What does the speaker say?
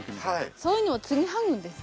そういうのを継ぎはぐんです。